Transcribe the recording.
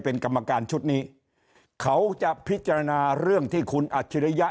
เป็นกรรมการชุดนี้เขาจะพิจารณาเรื่องที่คุณอัจฉริยะ